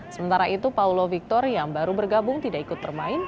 sementara itu paulo victor yang baru bergabung tidak ikut bermain